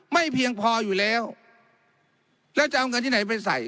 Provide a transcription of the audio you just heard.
ไม่เพียงพออยู่แล้วแล้วจะเอาเงินที่ไหนไปใส่